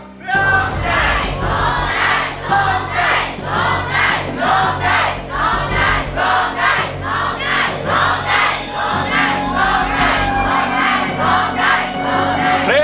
ร้องได้ร้องได้ร้องได้